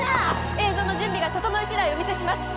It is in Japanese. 映像の準備が整い次第お見せします。